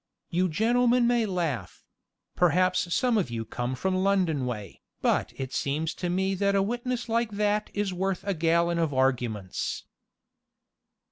You gentlemen may laugh perhaps some of you come from London way, but it seems to me that a witness like that is worth a gallon of arguments.